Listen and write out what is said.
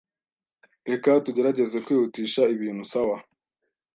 Reka tugerageze kwihutisha ibintu, sawa?